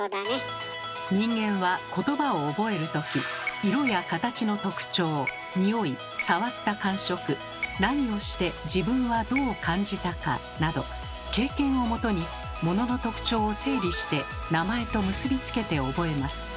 人間はことばを覚えるとき色や形の特徴におい触った感触何をして自分はどう感じたかなど経験をもとにものの特徴を整理して名前と結び付けて覚えます。